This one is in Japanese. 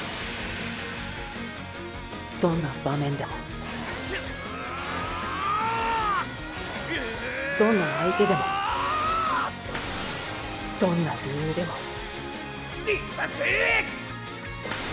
どんな場面でもどんな相手でもどんな理由でも尽八ィ！